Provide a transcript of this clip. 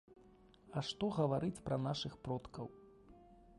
А што гаварыць пра нашых продкаў!